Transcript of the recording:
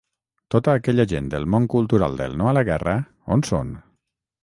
Tota aquella gent del món cultural, del “No a la guerra”, on són?